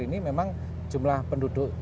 ini memang jumlah penduduk